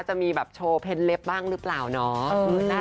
จะมีแบบโชว์เพ็ญเล็บบ้างหรือเปล่าเนาะ